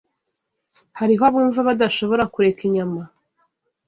Hariho abumva badashobora kureka inyama